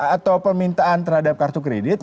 atau permintaan terhadap kartu kredit